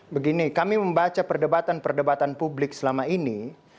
begini kami membaca perdebatan perdebatan publik selama ini